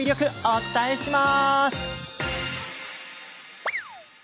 お伝えします！